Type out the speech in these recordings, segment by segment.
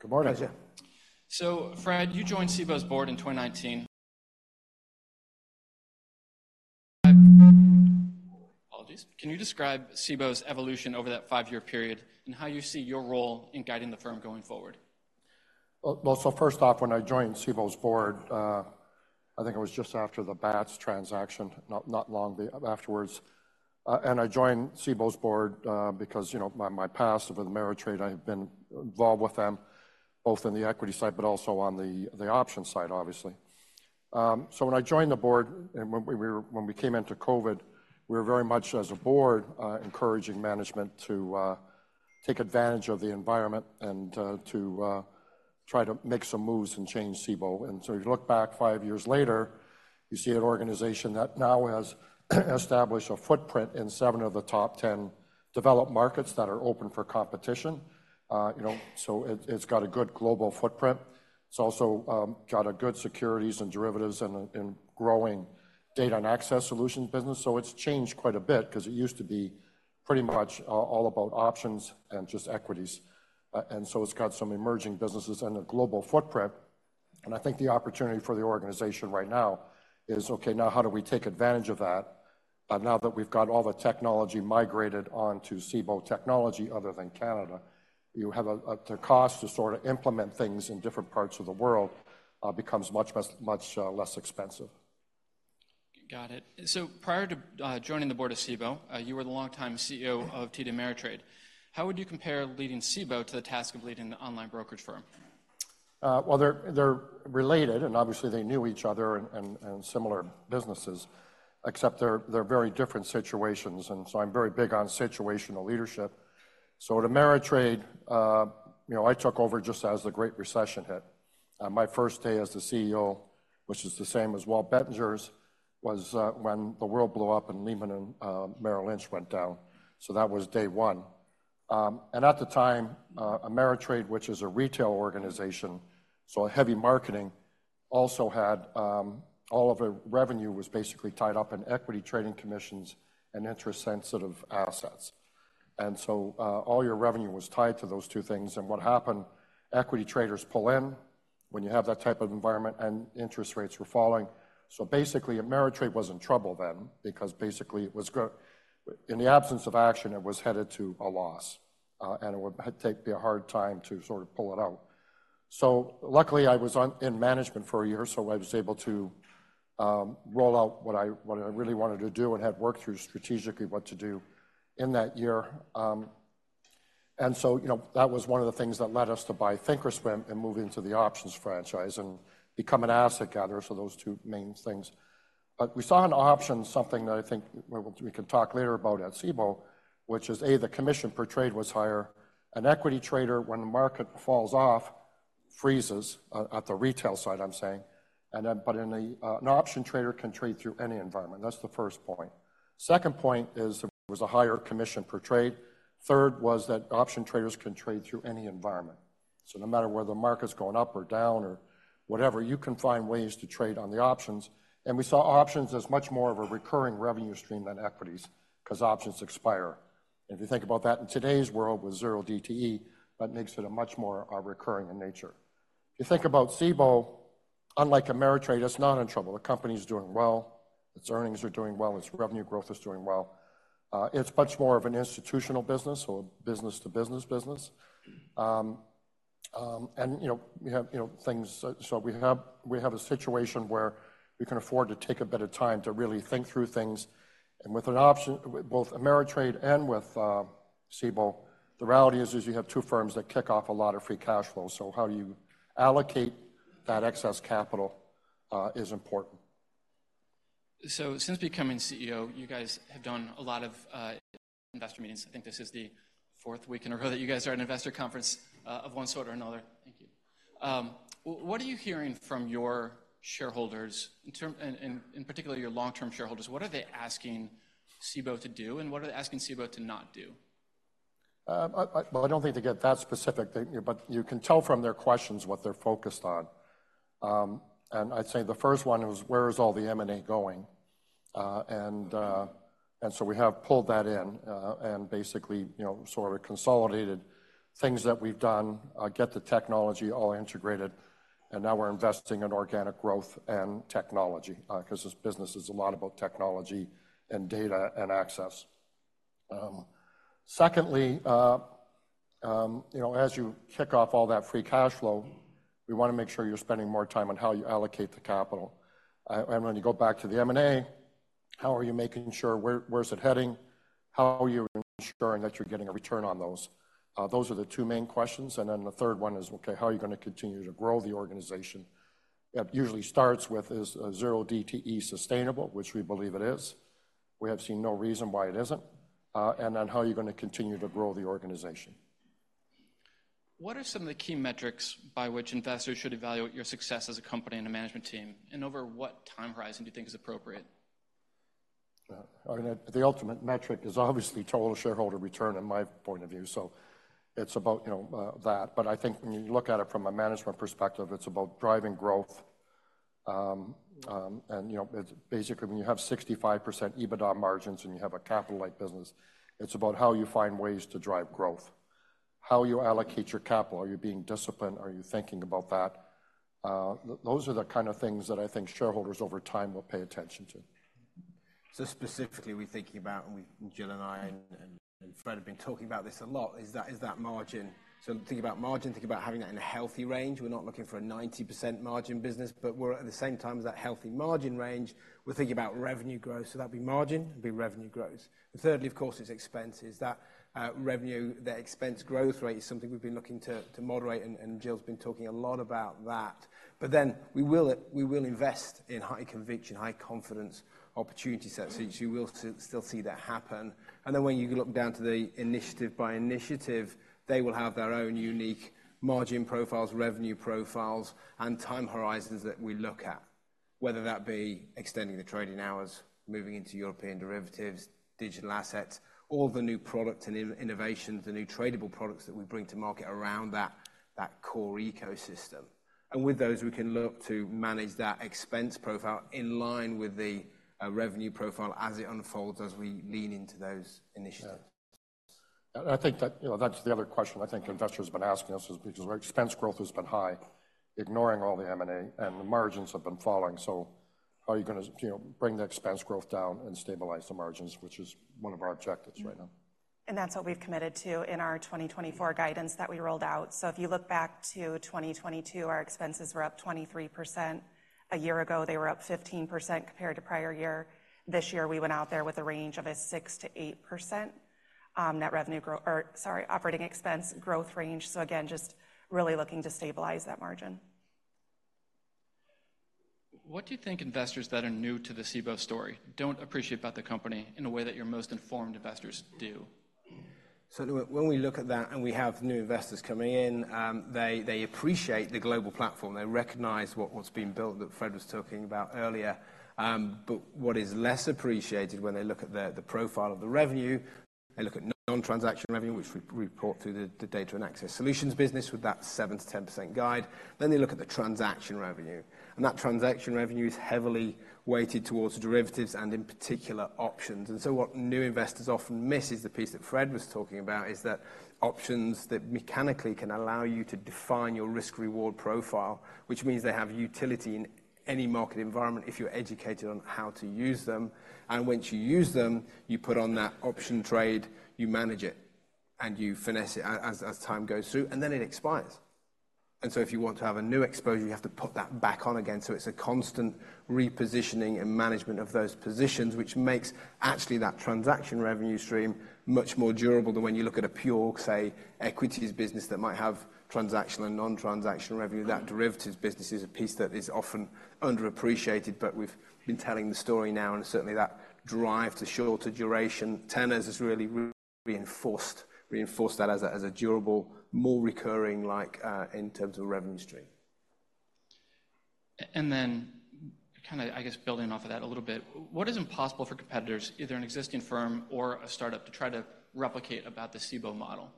Good morning. Gotcha. So Fred, you joined Cboe's board in 2019. Apologies. Can you describe Cboe's evolution over that five-year period, and how you see your role in guiding the firm going forward? Well, well, so first off, when I joined Cboe's board, I think it was just after the BATS transaction, not long thereafter. And I joined Cboe's board, because, you know, my past with Ameritrade, I have been involved with them both in the equity side, but also on the options side, obviously. So when I joined the board and when we came into COVID, we were very much, as a board, encouraging management to take advantage of the environment and to try to make some moves and change Cboe. And so you look back five years later, you see an organization that now has established a footprint in seven of the top 10 developed markets that are open for competition. You know, so it, it's got a good global footprint. It's also got a good securities and derivatives and a growing data and access solutions business. So it's changed quite a bit 'cause it used to be pretty much all about options and just equities. And so it's got some emerging businesses and a global footprint, and I think the opportunity for the organization right now is: Okay, now, how do we take advantage of that? Now that we've got all the technology migrated onto Cboe technology, other than Canada, you have a. The cost to sort of implement things in different parts of the world becomes much less, much less expensive. Got it. So prior to joining the board of Cboe, you were the longtime CEO of TD Ameritrade. How would you compare leading Cboe to the task of leading the online brokerage firm? Well, they're related, and obviously, they knew each other and similar businesses, except they're very different situations, and so I'm very big on situational leadership. So at Ameritrade, you know, I took over just as the Great Recession hit. My first day as the CEO, which is the same as Walt Bettinger's, was when the world blew up and Lehman and Merrill Lynch went down. So that was day one. And at the time, Ameritrade, which is a retail organization, so a heavy marketing, also had all of its revenue was basically tied up in equity trading commissions and interest-sensitive assets. And so, all your revenue was tied to those two things. And what happened, equity traders pull in when you have that type of environment, and interest rates were falling. So basically, Ameritrade was in trouble then because basically it was-- In the absence of action, it was headed to a loss, and it would take me a hard time to sort of pull it out. So luckily, I was on, in management for a year, so I was able to, roll out what I, what I really wanted to do and had worked through strategically what to do in that year. And so, you know, that was one of the things that led us to buy thinkorswim and move into the options franchise and become an asset gatherer, so those two main things. But we saw an option, something that I think we, we can talk later about at Cboe, which is, A, the commission per trade was higher. An equity trader, when the market falls off, freezes at the retail side, I'm saying, and then, but in an option trader can trade through any environment. That's the first point. Second point is there was a higher commission per trade. Third was that option traders can trade through any environment. So no matter whether the market's going up or down or whatever, you can find ways to trade on the options. And we saw options as much more of a recurring revenue stream than equities, 'cause options expire. If you think about that in today's world with 0DTE, that makes it a much more recurring in nature. If you think about Cboe, unlike Ameritrade, it's not in trouble. The company's doing well, its earnings are doing well, its revenue growth is doing well. It's much more of an institutional business or business-to-business business. and, you know, we have, you know, so we have a situation where we can afford to take a bit of time to really think through things. And with an option, with both Ameritrade and with Cboe, the reality is, is you have two firms that kick off a lot of free cash flow, so how you allocate that excess capital is important. So since becoming CEO, you guys have done a lot of investor meetings. I think this is the fourth week in a row that you guys are at an investor conference of one sort or another. Thank you. What are you hearing from your shareholders in terms, in particular, your long-term shareholders? What are they asking Cboe to do, and what are they asking Cboe to not do? Well, I don't think they get that specific, but you can tell from their questions what they're focused on. And I'd say the first one was: Where is all the M&A going? And so we have pulled that in, and basically, you know, sort of consolidated things that we've done, get the technology all integrated, and now we're investing in organic growth and technology, 'cause this business is a lot about technology and data and access. Secondly, you know, as you kick off all that free cash flow, we wanna make sure you're spending more time on how you allocate the capital. And when you go back to the M&A, how are you making sure where, where's it heading? How are you ensuring that you're getting a return on those? Those are the two main questions, and then the third one is, okay, how are you gonna continue to grow the organization? It usually starts with, is, zero DTE sustainable, which we believe it is. We have seen no reason why it isn't. And then, how are you gonna continue to grow the organization? What are some of the key metrics by which investors should evaluate your success as a company and a management team, and over what time horizon do you think is appropriate? I mean, the ultimate metric is obviously total shareholder return, in my point of view. So it's about, you know, that. But I think when you look at it from a management perspective, it's about driving growth and, you know, it's basically when you have 65% EBITDA margins and you have a capital light business, it's about how you find ways to drive growth. How you allocate your capital. Are you being disciplined? Are you thinking about that? Those are the kind of things that I think shareholders over time will pay attention to. So specifically, we're thinking about, and we, Jill and I, and, and Fred have been talking about this a lot, is that, is that margin. So think about margin, think about having that in a healthy range. We're not looking for a 90% margin business, but we're at the same time as that healthy margin range, we're thinking about revenue growth. So that'd be margin, it'd be revenue growth. And thirdly, of course, is expenses. That, revenue, the expense growth rate is something we've been looking to, to moderate, and, and Jill's been talking a lot about that. But then we will, we will invest in high conviction, high confidence opportunity sets, so you will still, still see that happen. Then when you look down to the initiative by initiative, they will have their own unique margin profiles, revenue profiles, and time horizons that we look at, whether that be extending the trading hours, moving into European derivatives, digital assets, all the new products and innovations, the new tradable products that we bring to market around that, that core ecosystem. With those, we can look to manage that expense profile in line with the revenue profile as it unfolds, as we lean into those initiatives. Yeah. And I think that, you know, that's the other question I think investors have been asking us, is because our expense growth has been high, ignoring all the M&A, and the margins have been falling. So how are you gonna, you know, bring the expense growth down and stabilize the margins, which is one of our objectives right now? And that's what we've committed to in our 2024 guidance that we rolled out. So if you look back to 2022, our expenses were up 23%. A year ago, they were up 15% compared to prior year. This year, we went out there with a range of a 6%-8%, net revenue growth, or sorry, operating expense growth range. So again, just really looking to stabilize that margin. What do you think investors that are new to the Cboe story don't appreciate about the company in a way that your most informed investors do? So when we look at that and we have new investors coming in, they appreciate the global platform. They recognize what's been built that Fred was talking about earlier. But what is less appreciated when they look at the profile of the revenue, they look at non-transaction revenue, which we report through the data and access solutions business with that 7%-10% guide. Then they look at the transaction revenue, and that transaction revenue is heavily weighted towards derivatives and, in particular, options. And so what new investors often miss is the piece that Fred was talking about, is that options that mechanically can allow you to define your risk-reward profile, which means they have utility in any market environment if you're educated on how to use them. And once you use them, you put on that option trade, you manage it, and you finesse it as, as time goes through, and then it expires. And so if you want to have a new exposure, you have to put that back on again. So it's a constant repositioning and management of those positions, which makes actually that transaction revenue stream much more durable than when you look at a pure, say, equities business that might have transactional and non-transactional revenue. That derivatives business is a piece that is often underappreciated, but we've been telling the story now, and certainly, that drive to shorter duration tenors has really, really reinforced, reinforced that as a, as a durable, more recurring like, in terms of revenue stream. And then kinda, I guess, building off of that a little bit, what is impossible for competitors, either an existing firm or a start-up, to try to replicate about the Cboe model?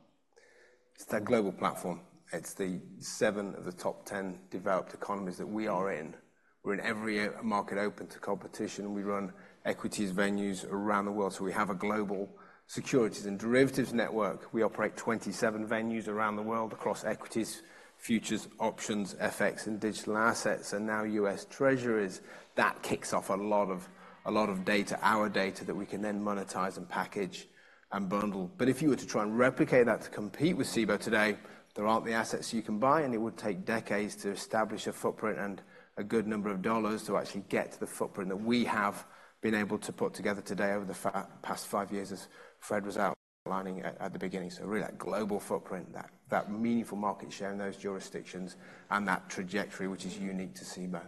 It's that global platform. It's the 7 of the top 10 developed economies that we are in. We're in every market open to competition. We run equities venues around the world, so we have a global securities and derivatives network. We operate 27 venues around the world across equities, futures, options, FX, and digital assets, and now U.S. Treasuries. That kicks off a lot of, a lot of data, our data, that we can then monetize and package and bundle. But if you were to try and replicate that to compete with Cboe today, there aren't the assets you can buy, and it would take decades to establish a footprint and a good number of dollars to actually get to the footprint that we have been able to put together today over the past 5 years, as Fred was outlining at the beginning. So really, that global footprint, that meaningful market share in those jurisdictions, and that trajectory, which is unique to Cboe.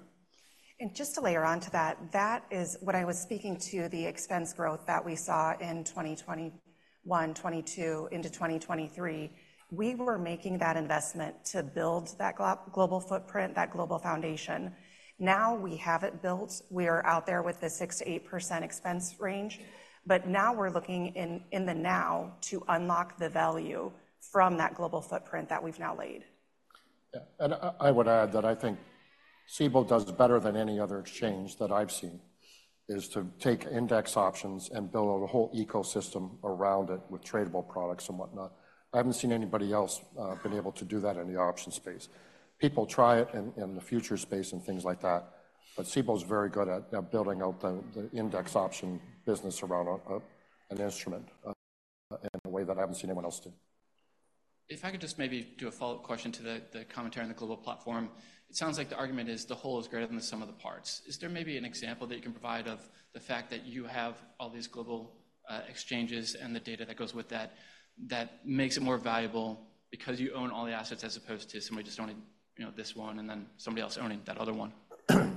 And just to layer onto that, that is... When I was speaking to the expense growth that we saw in 2021, 2022, into 2023, we were making that investment to build that global footprint, that global foundation. Now we have it built. We are out there with the 6%-8% expense range, but now we're looking in the now to unlock the value from that global footprint that we've now laid. Yeah, and I would add that I think Cboe does better than any other exchange that I've seen, is to take index options and build out a whole ecosystem around it with tradable products and whatnot. I haven't seen anybody else been able to do that in the options space. People try it in the future space and things like that, but Cboe's very good at building out the index option business around a an instrument in a way that I haven't seen anyone else do. If I could just maybe do a follow-up question to the commentary on the global platform. It sounds like the argument is the whole is greater than the sum of the parts. Is there maybe an example that you can provide of the fact that you have all these global exchanges and the data that goes with that, that makes it more valuable because you own all the assets, as opposed to somebody just owning, you know, this one and then somebody else owning that other one?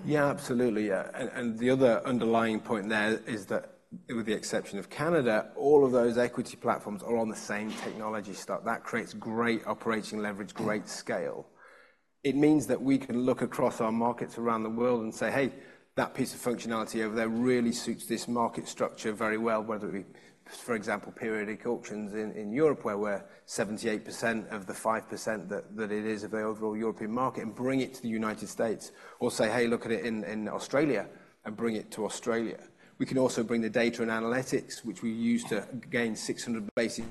Yeah, absolutely, yeah. And the other underlying point there is that, with the exception of Canada, all of those equity platforms are on the same technology stack. That creates great operating leverage, great scale. It means that we can look across our markets around the world and say, "Hey, that piece of functionality over there really suits this market structure very well." Whether it be, for example, periodic auctions in Europe, where we're 78% of the 5% that it is available European market, and bring it to the United States. Or say, "Hey, look at it in Australia," and bring it to Australia. We can also bring the data and analytics, which we use to gain 600 basis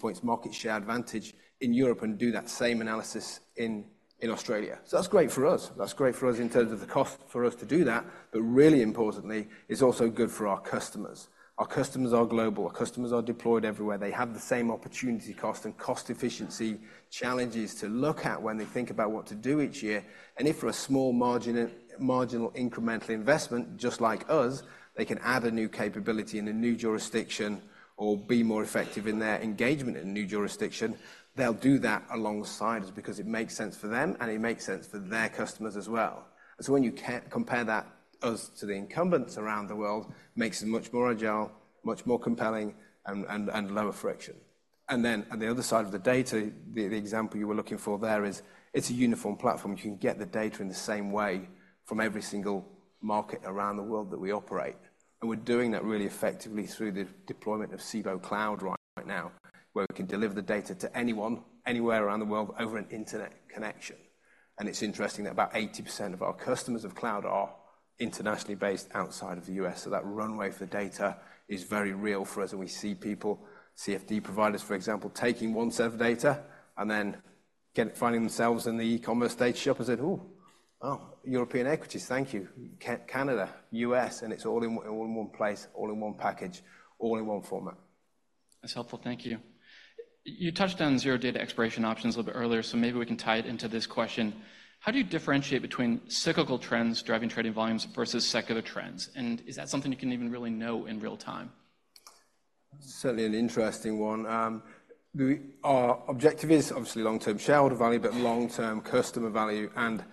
points market share advantage in Europe and do that same analysis in Australia. So that's great for us. That's great for us in terms of the cost for us to do that, but really importantly, it's also good for our customers. Our customers are global. Our customers are deployed everywhere. They have the same opportunity cost and cost efficiency challenges to look at when they think about what to do each year. And if for a small marginal incremental investment, just like us, they can add a new capability in a new jurisdiction or be more effective in their engagement in a new jurisdiction, they'll do that alongside us because it makes sense for them, and it makes sense for their customers as well. So when you compare that to us to the incumbents around the world, makes us much more agile, much more compelling, and lower friction. And then, on the other side of the data, the example you were looking for there is, it's a uniform platform. You can get the data in the same way from every single market around the world that we operate, and we're doing that really effectively through the deployment of Cboe Cloud right now, where we can deliver the data to anyone, anywhere around the world over an internet connection. And it's interesting that about 80% of our customers of cloud are internationally based outside of the US, so that runway for data is very real for us, and we see people, CFD providers, for example, taking one set of data and then finding themselves in the e-commerce data shop and said, "Oh, oh, European equities, thank you. Canada, U.S.," and it's all in one place, all in one package, all in one format. That's helpful. Thank you. You touched on zero days to expiration options a little bit earlier, so maybe we can tie it into this question: How do you differentiate between cyclical trends driving trading volumes versus secular trends? And is that something you can even really know in real time? Certainly an interesting one. Our objective is obviously long-term shareholder value, but long-term customer value. And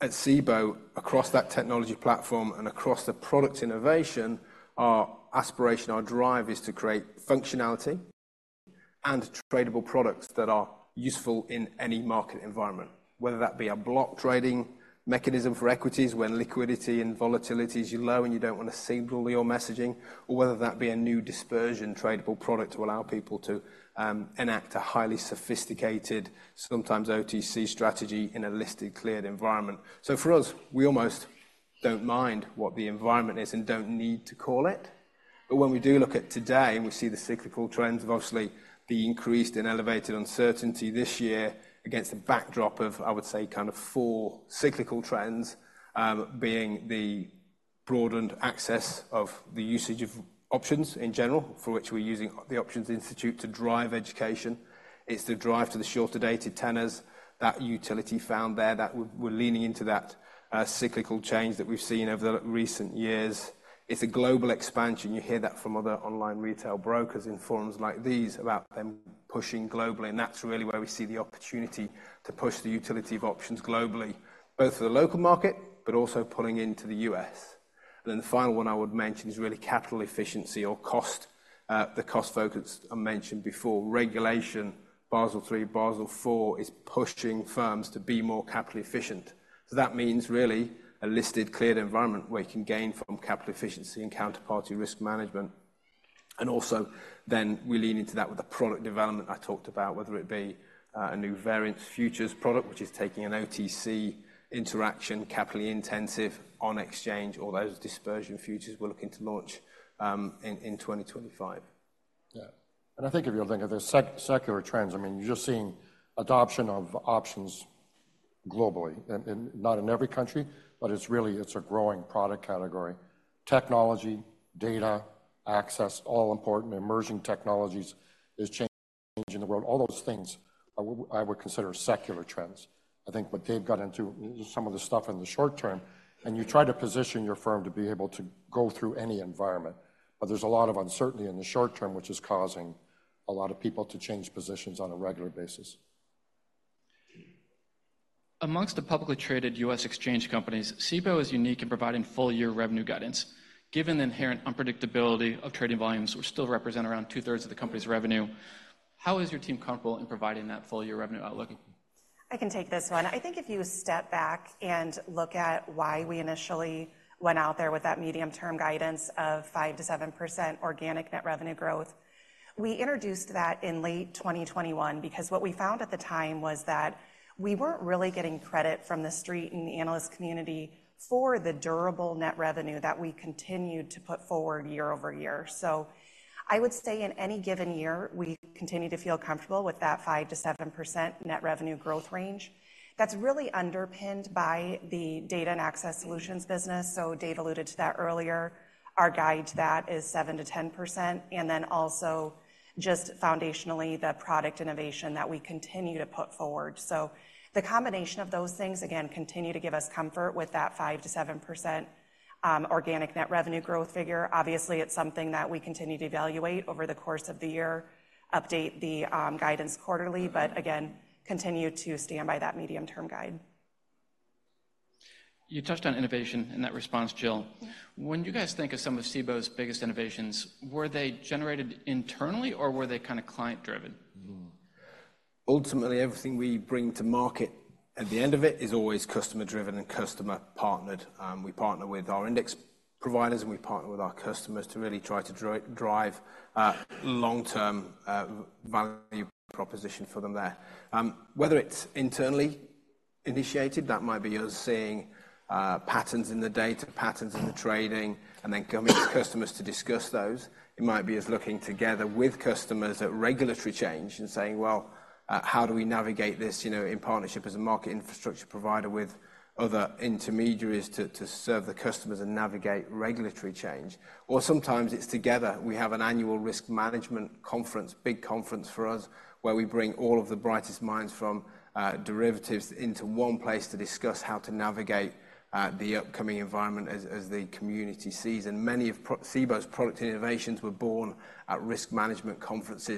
at Cboe, across that technology platform and across the product innovation, our aspiration, our drive, is to create functionality and tradable products that are useful in any market environment. Whether that be a block trading mechanism for equities, when liquidity and volatility is low and you don't want to signal all your messaging, or whether that be a new dispersion tradable product to allow people to enact a highly sophisticated, sometimes OTC strategy in a listed, cleared environment. So for us, we almost don't mind what the environment is and don't need to call it. When we do look at today, and we see the cyclical trends of obviously the increased and elevated uncertainty this year against the backdrop of, I would say, kind of four cyclical trends, being the broadened access of the usage of options in general, for which we're using the Options Institute to drive education. It's the drive to the shorter-dated tenors, that utility found there, that we're leaning into that, cyclical change that we've seen over the recent years. It's a global expansion. You hear that from other online retail brokers in forums like these about them pushing globally, and that's really where we see the opportunity to push the utility of options globally, both for the local market, but also pulling into the U.S. And then the final one I would mention is really capital efficiency or cost, the cost focus I mentioned before. Regulation, Basel III, Basel IV, is pushing firms to be more capital efficient. So that means really a listed, cleared environment where you can gain from capital efficiency and counterparty risk management. And also, then we lean into that with the product development I talked about, whether it be a new variance futures product, which is taking an OTC interaction, capitally intensive, on exchange, or those dispersion futures we're looking to launch in 2025. Yeah. And I think if you're thinking of the secular trends, I mean, you're just seeing adoption of options globally. And not in every country, but it's really, it's a growing product category. Technology, data, access, all important. Emerging technologies is changing the world. All those things I would consider secular trends. I think what Dave got into, some of the stuff in the short term, and you try to position your firm to be able to go through any environment. But there's a lot of uncertainty in the short term, which is causing a lot of people to change positions on a regular basis. Among the publicly traded U.S. exchange companies, Cboe is unique in providing full-year revenue guidance. Given the inherent unpredictability of trading volumes, which still represent around two-thirds of the company's revenue, how is your team comfortable in providing that full-year revenue outlook? I can take this one. I think if you step back and look at why we initially went out there with that medium-term guidance of 5%-7% organic net revenue growth, we introduced that in late 2021 because what we found at the time was that we weren't really getting credit from the street and the analyst community for the durable net revenue that we continued to put forward year-over-year. So I would say in any given year, we continue to feel comfortable with that 5%-7% net revenue growth range. That's really underpinned by the data and access solutions business, so Dave alluded to that earlier. Our guide to that is 7%-10%, and then also just foundationally, the product innovation that we continue to put forward. So the combination of those things, again, continue to give us comfort with that 5%-7% organic net revenue growth figure. Obviously, it's something that we continue to evaluate over the course of the year, update the guidance quarterly, but again, continue to stand by that medium-term guide. You touched on innovation in that response, Jill. When you guys think of some of Cboe's biggest innovations, were they generated internally, or were they kind of client-driven? Ultimately, everything we bring to market at the end of it is always customer-driven and customer-partnered. We partner with our index providers, and we partner with our customers to really try to drive long-term value proposition for them there. Whether it's internally initiated. That might be us seeing patterns in the data, patterns in the trading, and then coming to customers to discuss those. It might be us looking together with customers at regulatory change and saying: Well, how do we navigate this, you know, in partnership as a market infrastructure provider with other intermediaries to serve the customers and navigate regulatory change? Or sometimes it's together. We have an annual Risk Management Conference, big conference for us, where we bring all of the brightest minds from derivatives into one place to discuss how to navigate the upcoming environment as the community sees. And many of Cboe's product innovations were born at Risk Management Conference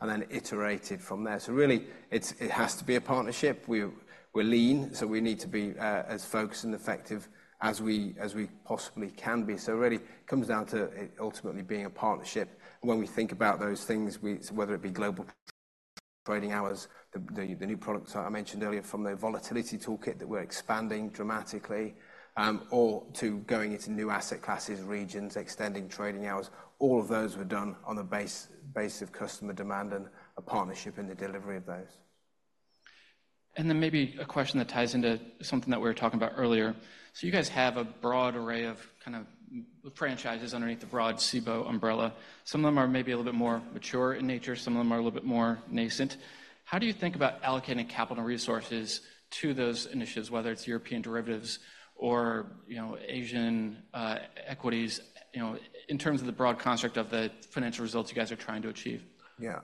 and then iterated from there. So really, it's has to be a partnership. We're lean, so we need to be as focused and effective as we possibly can be. So it really comes down to it ultimately being a partnership. When we think about those things, whether it be Global Trading Hours, the new products that I mentioned earlier from the volatility toolkit that we're expanding dramatically, or going into new asset classes, regions, extending trading hours, all of those were done on the base of customer demand and a partnership in the delivery of those. And then maybe a question that ties into something that we were talking about earlier. So you guys have a broad array of kind of franchises underneath the broad Cboe umbrella. Some of them are maybe a little bit more mature in nature, some of them are a little bit more nascent. How do you think about allocating capital resources to those initiatives, whether it's European derivatives or, you know, Asian equities, you know, in terms of the broad construct of the financial results you guys are trying to achieve? Yeah.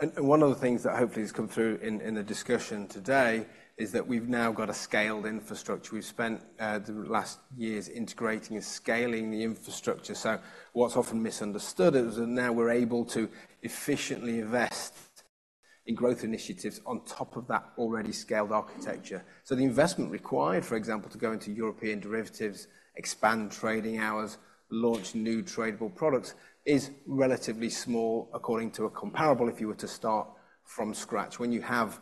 And one of the things that hopefully has come through in the discussion today is that we've now got a scaled infrastructure. We've spent the last years integrating and scaling the infrastructure. So what's often misunderstood is that now we're able to efficiently invest in growth initiatives on top of that already scaled architecture. So the investment required, for example, to go into European derivatives, expand trading hours, launch new tradable products, is relatively small according to a comparable if you were to start from scratch. When you have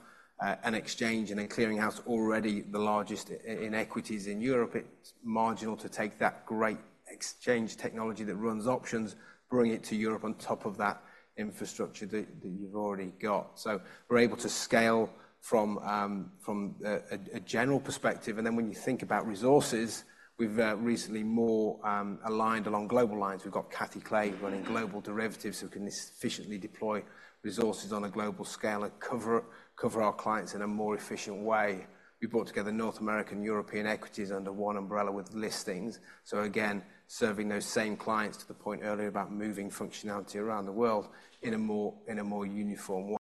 an exchange and a clearinghouse already the largest in equities in Europe, it's marginal to take that great exchange technology that runs options, bring it to Europe on top of that infrastructure that you've already got. So we're able to scale from a general perspective. When you think about resources, we've recently more aligned along global lines. We've got Cathy Clay running global derivatives, so we can efficiently deploy resources on a global scale and cover our clients in a more efficient way. We brought together North American, European equities under one umbrella with listings. So again, serving those same clients to the point earlier about moving functionality around the world in a more uniform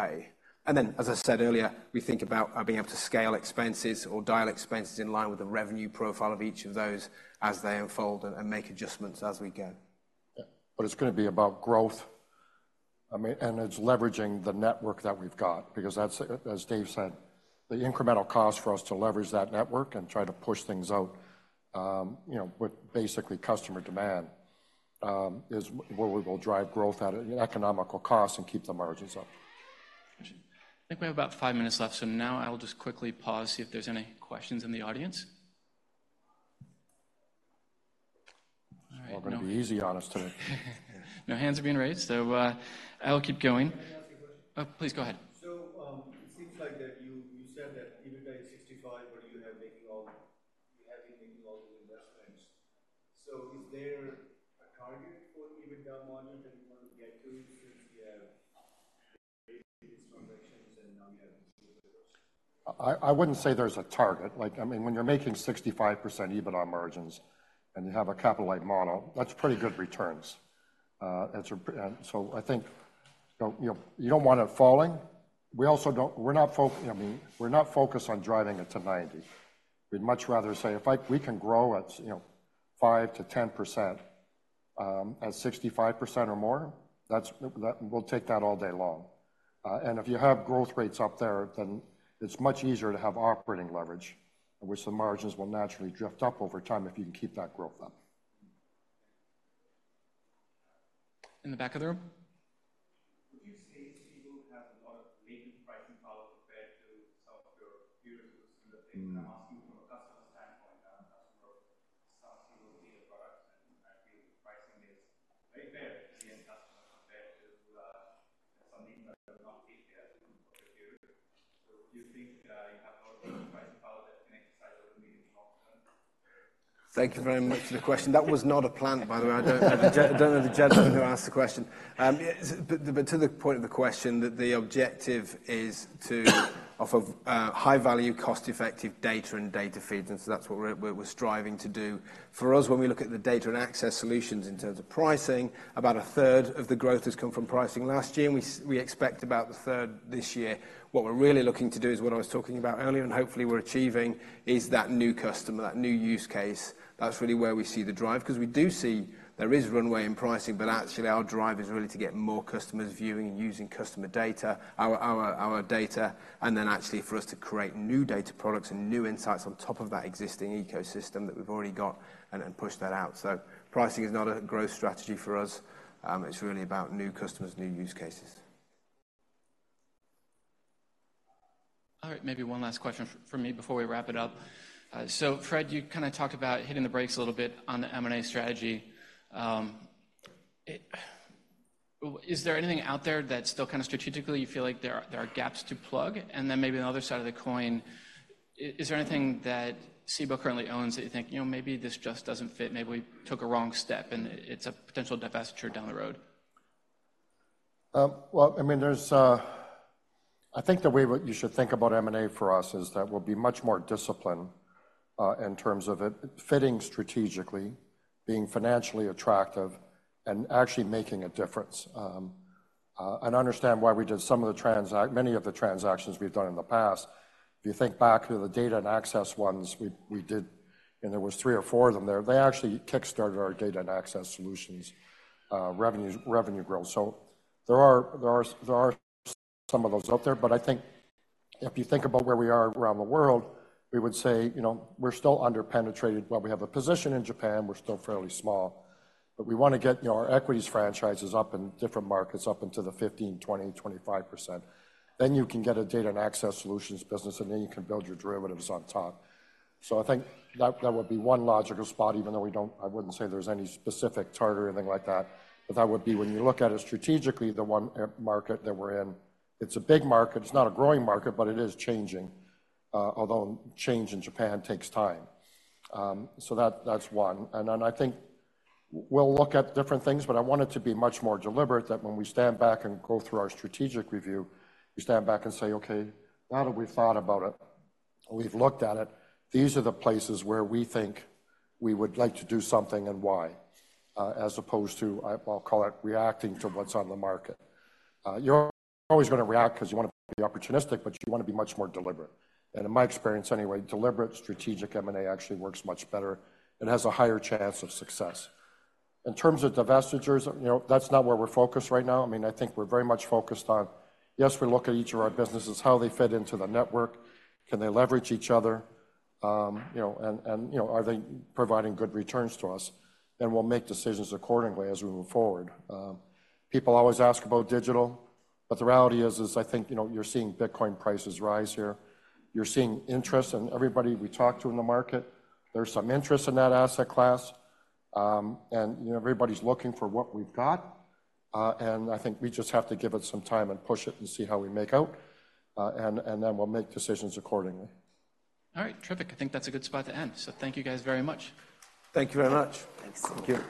way. And then, as I said earlier, we think about being able to scale expenses or dial expenses in line with the revenue profile of each of those as they unfold and make adjustments as we go. Yeah, but it's gonna be about growth. I mean, and it's leveraging the network that we've got, because that's, as Dave said, the incremental cost for us to leverage that network and try to push things out, you know, with basically customer demand, is where we will drive growth at an economical cost and keep the margins up. I think we have about five minutes left, so now I will just quickly pause, see if there's any questions in the audience. All right. It's not gonna be easy on us today. No hands are being raised, so, I will keep going. Can I ask a question? Oh, please go ahead. So, it seems like that you said that EBITDA is 65%, but you have been making all the investments. So is there a target for EBITDA margin that you want to get to because you have made these investments, and now you have? I wouldn't say there's a target. Like, I mean, when you're making 65% EBITDA margins and you have a capital light model, that's pretty good returns. And so I think, you know, you don't want it falling. We're not focused on driving it to 90. We'd much rather say, if we can grow at, you know, 5%-10%, at 65% or more, that's-- we'll take that all day long. And if you have growth rates up there, then it's much easier to have operating leverage, in which the margins will naturally drift up over time if you can keep that growth up. In the back of the room. That's really where we see the drive, 'cause we do see there is runway in pricing, but actually our drive is really to get more customers viewing and using customer data, our data, and then actually for us to create new data products and new insights on top of that existing ecosystem that we've already got and push that out. So pricing is not a growth strategy for us. It's really about new customers, new use cases. All right, maybe one last question from me before we wrap it up. So Fred, you kind of talked about hitting the brakes a little bit on the M&A strategy. Is there anything out there that still kind of strategically you feel like there are gaps to plug? And then maybe on the other side of the coin, is there anything that Cboe currently owns that you think, "You know, maybe this just doesn't fit. Maybe we took a wrong step, and it's a potential divestiture down the road? Well, I mean, there's, I think the way what you should think about M&A for us is that we'll be much more disciplined, in terms of it fitting strategically, being financially attractive, and actually making a difference. And understand why we did some of the many of the transactions we've done in the past. If you think back to the data and access ones we did, and there was three or four of them there, they actually kickstarted our data and access solutions, revenues, revenue growth. So there are some of those out there. But I think if you think about where we are around the world, we would say, you know, we're still under-penetrated. While we have a position in Japan, we're still fairly small, but we want to get, you know, our equities franchises up in different markets, up into the 15, 20, 25%. Then you can get a data and access solutions business, and then you can build your derivatives on top. So I think that, that would be one logical spot, even though we don't. I wouldn't say there's any specific target or anything like that, but that would be, when you look at it strategically, the one market that we're in. It's a big market. It's not a growing market, but it is changing, although change in Japan takes time. So that, that's one. I think we'll look at different things, but I want it to be much more deliberate, that when we stand back and go through our strategic review, we stand back and say, "Okay, now that we've thought about it, we've looked at it, these are the places where we think we would like to do something and why," as opposed to, I, I'll call it reacting to what's on the market. You're always gonna react 'cause you want to be opportunistic, but you want to be much more deliberate. And in my experience, anyway, deliberate strategic M&A actually works much better and has a higher chance of success. In terms of divestitures, you know, that's not where we're focused right now. I mean, I think we're very much focused on, yes, we look at each of our businesses, how they fit into the network, can they leverage each other, you know, and you know, are they providing good returns to us? And we'll make decisions accordingly as we move forward. People always ask about digital, but the reality is, is I think, you know, you're seeing Bitcoin prices rise here. You're seeing interest, and everybody we talk to in the market, there's some interest in that asset class. And, you know, everybody's looking for what we've got, and I think we just have to give it some time and push it and see how we make out, and then we'll make decisions accordingly. All right, terrific. I think that's a good spot to end. So thank you guys very much. Thank you very much. Thanks. Thank you.